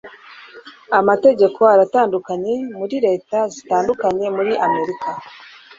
amategeko aratandukanye muri leta zitandukanye muri amerika